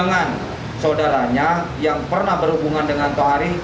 dengan saudaranya yang pernah berhubungan dengan tohari